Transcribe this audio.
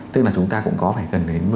tức là chúng ta cũng có phải gần đến